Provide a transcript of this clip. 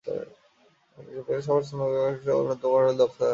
শিল্পক্ষেত্রে বেকার স্নাতকদের সংখ্যা বাড়ার অন্যতম প্রধান কারণ হল দক্ষতার ঘাটতি।